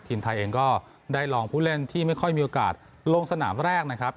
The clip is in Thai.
ทีมไทยเองก็ได้ลองผู้เล่นที่ไม่ค่อยมีโอกาสลงสนามแรกนะครับ